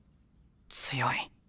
強い。